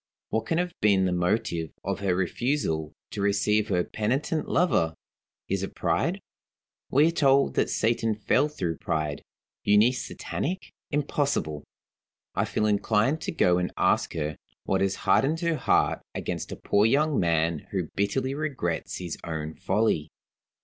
What can have been the motive of her refusal to receive her penitent lover? Is it pride? We are told that Satan fell through pride. Euneece satanic? Impossible! I feel inclined to go and ask her what has hardened her heart against a poor young man who bitterly regrets his own folly.